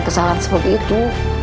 kesalahan seperti itu